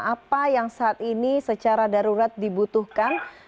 apa yang saat ini secara darurat dibutuhkan